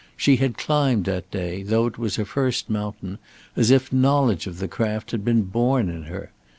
She had climbed that day, though it was her first mountain, as if knowledge of the craft had been born in her.